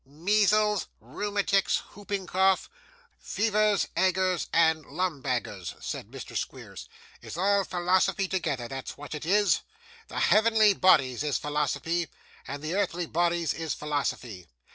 'Measles, rheumatics, hooping cough, fevers, agers, and lumbagers,' said Mr. Squeers, 'is all philosophy together; that's what it is. The heavenly bodies is philosophy, and the earthly bodies is philosophy.